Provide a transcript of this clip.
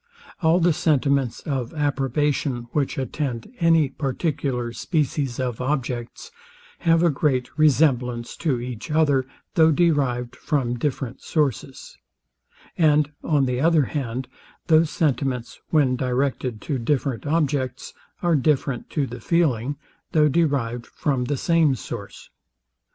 All the sentiments of approbation, which attend any particular species of objects, have a great resemblance to each other, though derived from different sources; and, on the other hand, those sentiments, when directed to different objects, are different to the feeling, though derived from the same source.